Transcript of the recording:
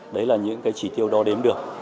đấy là những cái chỉ tiêu đo đếm được